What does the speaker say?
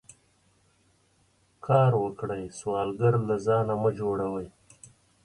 کار وکړئ سوالګر له ځانه مه جوړوئ